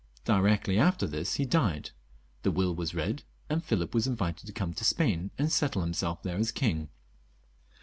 Directly after this he died ; the will was read, and Philip was invited to come to Spain, and settle himself there as king.